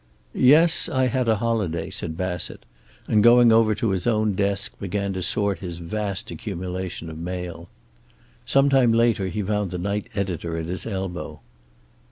"Yes, I had a holiday," said Bassett, and going over to his own desk began to sort his vast accumulation of mail. Sometime later he found the night editor at his elbow.